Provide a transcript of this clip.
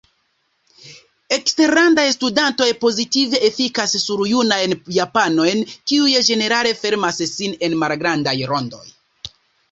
Eksterlandaj studantoj pozitive efikas sur junajn japanojn, kiuj ĝenerale fermas sin en malgrandaj rondoj.